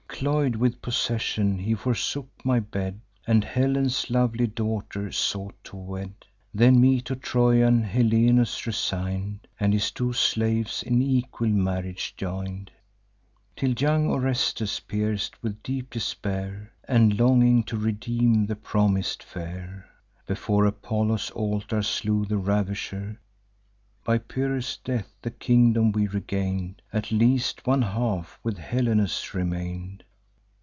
Cloy'd with possession, he forsook my bed, And Helen's lovely daughter sought to wed; Then me to Trojan Helenus resign'd, And his two slaves in equal marriage join'd; Till young Orestes, pierc'd with deep despair, And longing to redeem the promis'd fair, Before Apollo's altar slew the ravisher. By Pyrrhus' death the kingdom we regain'd: At least one half with Helenus remain'd.